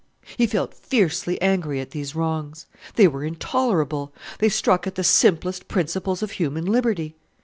He felt fiercely angry at these wrongs. They were intolerable; they struck at the simplest principles of human liberty.